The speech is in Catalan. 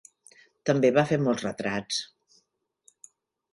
També va fer molts retrats.